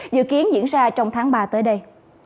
dự kiến diễn ra trong tháng ba tới đây